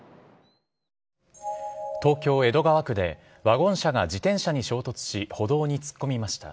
東京・江戸川区で、ワゴン車が自転車に衝突し、歩道に突っ込みました。